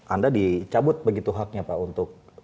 anda dicabut begitu haknya pak untuk